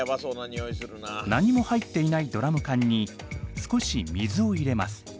何も入っていないドラム缶に少し水を入れます。